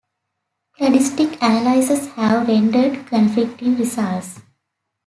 Cladistic analyses have rendered conflicting results.